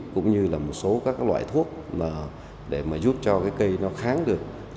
cũng như là một số các loại thuốc mà để mà giúp cho cái cây nó kháng được